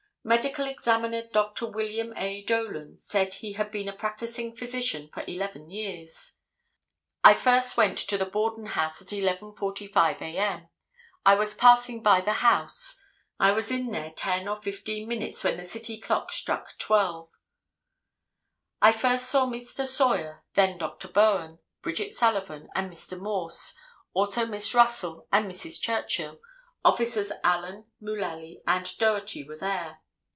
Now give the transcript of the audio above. Medical Examiner Dr. William A. Dolan said he had been a practising physician for eleven years; "I first went to the Borden house at 11:45 a. m.; I was passing by the house; I was in there ten or fifteen minutes when the City Hall clock struck 12; I first saw Mr. Sawyer, then Dr. Bowen, Bridget Sullivan and Mr. Morse, also Miss Russell and Mrs. Churchill, Officers Allen, Mullaly and Doherty were there.